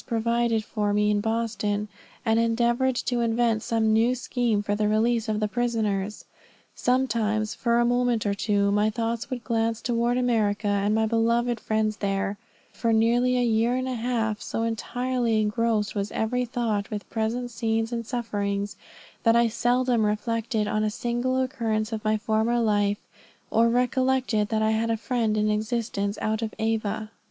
provided for me in Boston, and endeavored to invent some new scheme for the release of the prisoners. Sometimes, for a moment or two, my thoughts would glance toward America and my beloved friends there, out _for nearly a year and a half, so entirely engrossed was every thought with present scenes and sufferings, that I seldom reflected on a single occurrence of my former life, or recollected that I had a friend in existence out of Ava_.